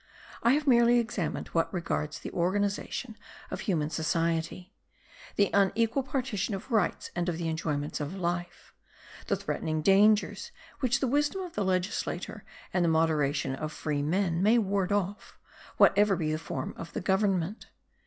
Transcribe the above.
I have merely examined what regards the organization of human society; the unequal partition of rights and of the enjoyments of life; the threatening dangers which the wisdom of the legislator and the moderation of free men may ward off, whatever be the form of the government.